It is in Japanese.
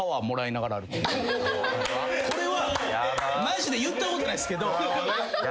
マジで言ったことないっすけど。